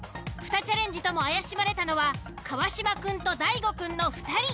２チャレンジとも怪しまれたのは川島くんと大悟くんの２人。